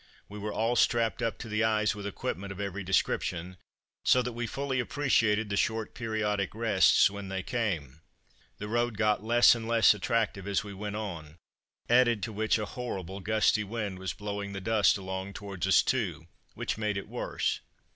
We were all strapped up to the eyes with equipment of every description, so that we fully appreciated the short periodic rests when they came. The road got less and less attractive as we went on, added to which a horrible gusty wind was blowing the dust along towards us, too, which made it worse.